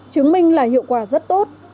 chứng minh là hiệu quả rất tốt